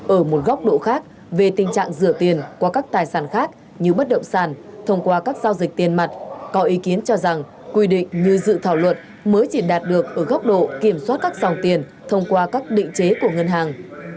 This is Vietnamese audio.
ở một góc độ khác về tình trạng rửa tiền qua các tài sản khác như bất động sản thông qua các giao dịch tiền mặt có ý kiến cho rằng quy định như dự thảo luật mới chỉ đạt được ở góc độ kiểm soát các dòng tiền thông qua các định chế của ngân hàng